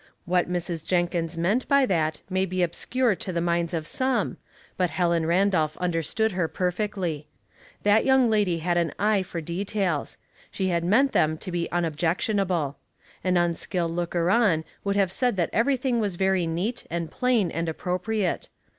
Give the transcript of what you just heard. What Mrs. Jenkins meant by 101 102 Household Puzzles. that may be obscure to the minds of some, but Helen Randolph understood her perfectly. That young lady had an eye for details ; she had meant them to be unobjectionable. An unskilled looker on would have said that everything was very neat and plain and appropriate.